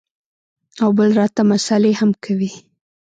او بل راته مسالې هم کوې.